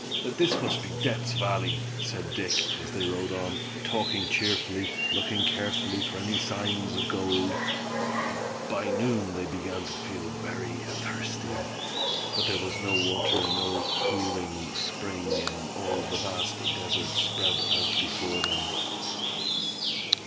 "This must be Death's Valley," said Dick, as they rode on, talking cheerfully, looking carefully for any signs of gold. By noon they began to feel very thirsty, but there was no water, no cooling spring in all the vast desert spread out before them.